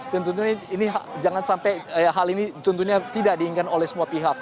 dan tentunya ini jangan sampai hal ini tentunya tidak diinginkan oleh semua pihak